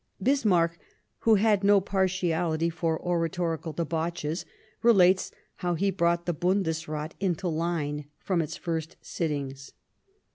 Bismarck, who had no partiality for oratorical debauches, relates how he brought the Bundesrath into line from its first sittings.